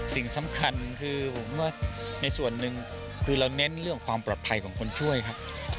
สิ่งสำคัญคือผมว่าในส่วนหนึ่งคือเราเน้นเรื่องความปลอดภัยของคนช่วยครับ